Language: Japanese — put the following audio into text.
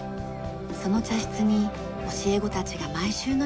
その茶室に教え子たちが毎週のようにやって来ます。